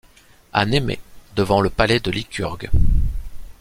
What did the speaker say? À Némée, devant le palais de Lycurgue.